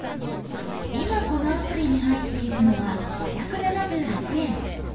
今このアプリに入っているのは５７６円。